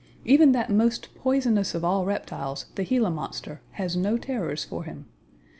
Even that most poisonous of all reptiles, the Gila monster, has no terrors for him.